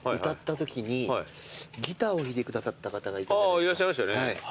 あいらっしゃいましたね。